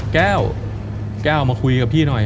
แก้วแก้วมาคุยกับพี่หน่อย